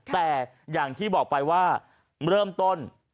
แต่อย่างที่บอกไปว่าเริ่มต้น